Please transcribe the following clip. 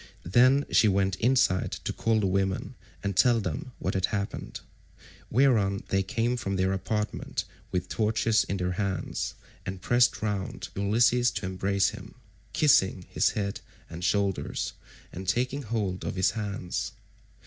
Then she went inside to call the women and tell them what had happened; whereon they came from their apartment with torches in their hands, and pressed round Ulysses to embrace him, kissing his head and shoulders and taking hold of his hands.